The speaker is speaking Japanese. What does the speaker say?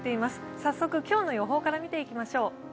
早速、今日の予報から見ていきましょう。